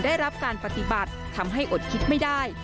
ได้รับการปฏิบัติทำให้อดคิดไม่ได้